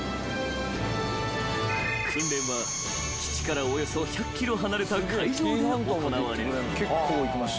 ［訓練は基地からおよそ１００ｋｍ離れた海上で行われる］